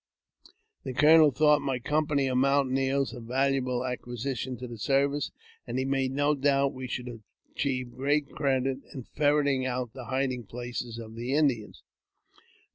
The colonel thought my company of mountaineers a valuable acquisition to the service, and he made no doubt we should achieve great credit in ferreting out the hiding places of the Indians.